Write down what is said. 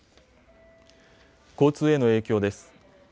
交通への影響です。